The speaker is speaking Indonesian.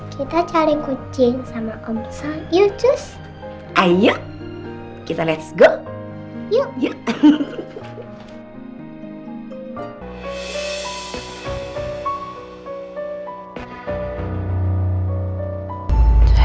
kita cari kucing sama om son yuk cus ayuk kita let's go yuk